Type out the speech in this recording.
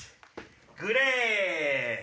グレート！